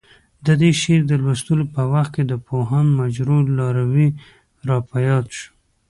د دې شعر د لوستو په وخت د پوهاند مجروح لاروی راپه یاد شو.